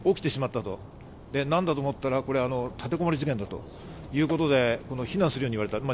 起きてしまったと、何だと思ったら立てこもり事件だということで避難するように言われた。